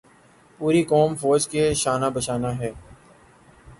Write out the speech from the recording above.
پوری قوم فوج کے شانہ بشانہ ہے۔